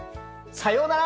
さようなら。